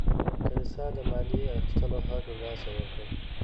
کلیسا د مالیې اخیستلو حق له لاسه ورکړ.